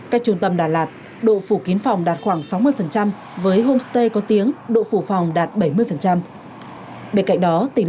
cách trung tâm đà lạt độ phủ kín phòng đạt khoảng sáu mươi với homestay có tiếng độ phủ phòng đạt bảy mươi